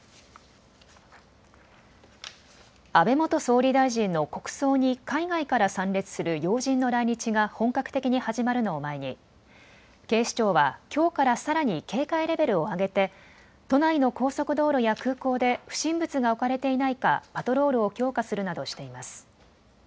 安倍元総理大臣の国葬に海外から参列する要人の来日が本格的に始まるのを前に警視庁はきょうからさらに警戒レベルを上げて都内の高速道路や空港で不審物が置かれていないかパトロールを強化するなどしています。